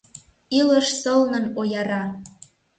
Илыш сылнын ояра!